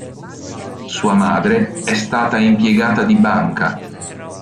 Sua madre è stata impiegata di banca.